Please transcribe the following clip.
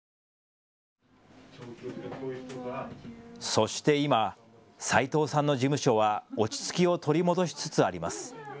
そして今、齋藤さんの事務所は落ち着きを取り戻しつつあります。